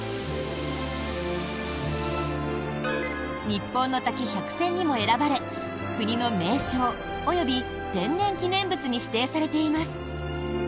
日本の滝１００選にも選ばれ国の名勝及び天然記念物に指定されています。